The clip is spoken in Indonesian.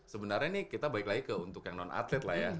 sebenarnya ini kita balik lagi ke untuk yang non atlet lah ya